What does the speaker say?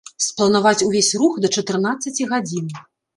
Спланаваць увесь рух да чатырнаццаці гадзін!